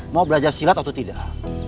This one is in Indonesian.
mau belajar silat atau tidak